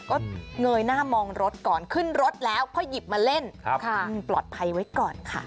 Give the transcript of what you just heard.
ก็เงยหน้ามองรถก่อนขึ้นรถแล้วก็หยิบมาเล่นปลอดภัยไว้ก่อนค่ะ